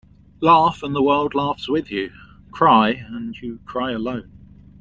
Laugh and the world laughs with you. Cry and you cry alone.